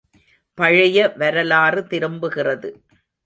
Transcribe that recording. பழைய வரலாறு திரும்புகிறது!